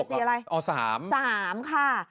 สีอะไรอ๋อ๓๓ค่ะ